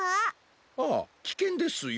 あっきけんですよ。